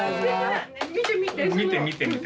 見てみて。